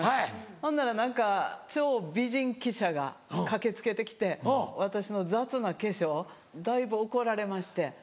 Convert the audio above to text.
ほんなら何か超美人記者が駆け付けて来て私の雑な化粧だいぶ怒られまして。